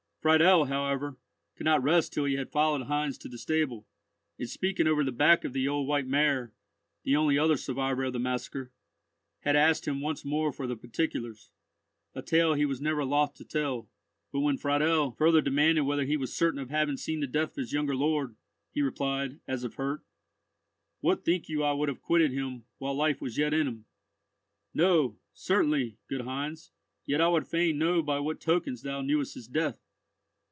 Friedel, however, could not rest till he had followed Heinz to the stable, and speaking over the back of the old white mare, the only other survivor of the massacre, had asked him once more for the particulars, a tale he was never loth to tell; but when Friedel further demanded whether he was certain of having seen the death of his younger lord, he replied, as if hurt: "What, think you I would have quitted him while life was yet in him?" "No, certainly, good Heinz; yet I would fain know by what tokens thou knewest his death."